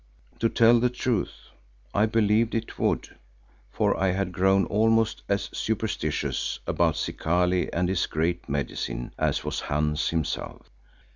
To tell the truth, I believed it would, for I had grown almost as superstitious about Zikali and his Great Medicine as was Hans himself.